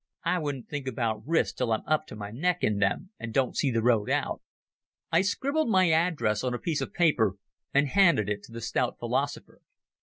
I won't think about risks till I'm up to my neck in them and don't see the road out." I scribbled my address on a piece of paper and handed it to the stout philosopher.